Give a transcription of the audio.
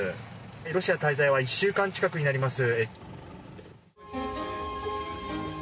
ロシア滞在は１週間近くになります。